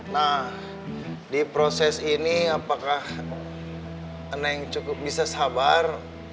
nah di proses ini apakah neng cukup bisa sabar